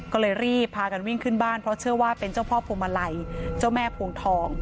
ก็เลยรีบพากันวิ่งขึ้นบ้านเพราะเชื่อว่าเป็นเจ้าพ่อพวงมาลัยเจ้าแม่พวงทอง